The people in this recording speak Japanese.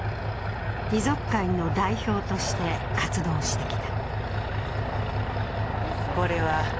遺族会の代表として活動してきた。